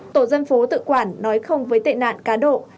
tổ dân phố tự quản nói không với tệ nạn cá độ